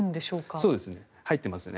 そうですね。